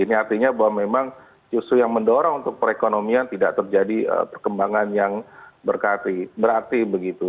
ini artinya bahwa memang justru yang mendorong untuk perekonomian tidak terjadi perkembangan yang berarti begitu